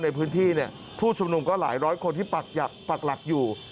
ในพื้นที่ผู้ชุมนุมก็หลายร้อยคนที่ปักหลักอยู่